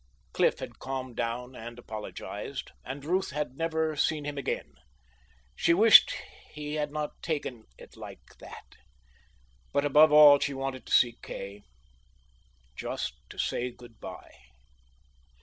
Cliff had calmed down and apologized, and Ruth had never seen him again. She wished he had not taken it like that. But above all she wanted to see Kay, just to say good by.